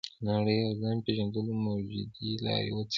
د نړۍ او ځان پېژندلو موجودې لارې وڅېړو.